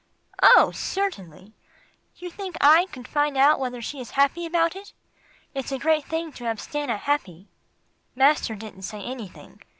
"Oh! certainly. You think I can find out whether she is happy about it? It's a great thing to have Stanna happy." Master didn't say anything.